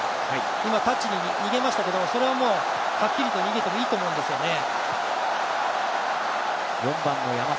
今タッチ、逃げましたけれどもそれははっきりと逃げてもいいと思うんですね。